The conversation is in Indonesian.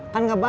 kan gak baik